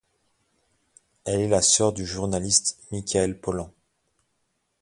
Elle est la sœur du journaliste Michael Pollan.